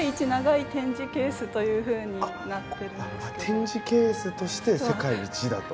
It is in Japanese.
展示ケースとして世界一だと。